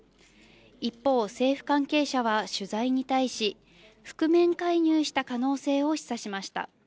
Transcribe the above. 一方、政府関係者は取材に対し、覆面介入した可能性を示唆しました。